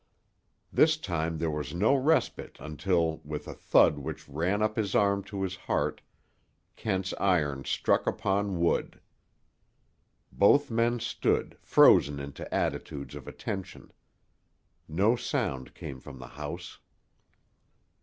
This time there was no respite until, with a thud which ran up his arm to his heart, Kent's iron struck upon wood. Both men stood, frozen into attitudes of attention. No sound came from the house.